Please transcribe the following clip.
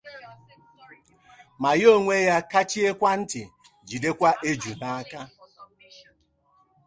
ma ya onwe ya kachie kwa ntị jidekwa eju n'aka